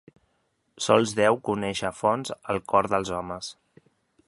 Sols Déu coneix a fons el cor dels homes.